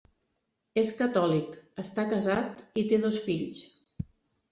És catòlic, està casat i té dos fills.